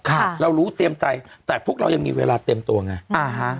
ค่ะเรารู้เตรียมใจแต่พวกเรายังมีเวลาเตรียมตัวไงอ่าฮะ